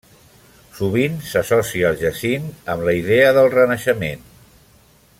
Sovint s'associa el jacint amb la idea del renaixement.